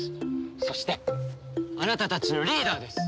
そしてあなたたちのリーダーです。